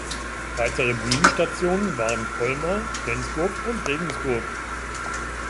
Weitere Bühnenstationen waren Colmar, Flensburg und Regensburg.